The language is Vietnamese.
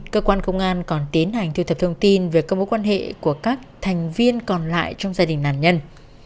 cơ quan công an còn tiến hành tiêu thập thông tin về các mối quan hệ của các thành viên còn lại trong gia đình nạn nhân